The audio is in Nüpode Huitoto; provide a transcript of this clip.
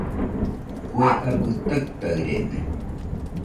Kue abɨ taɨtaɨrede